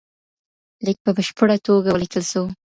ليک په بشپړه توګه وليکل سو.